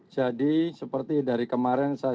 jadi seperti dari kemarin saya